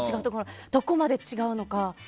どこまで違うのか。